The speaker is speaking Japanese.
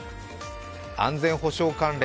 安全保障関連